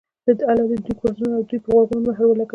الله د دوى پر زړونو او د دوى په غوږونو مهر لګولى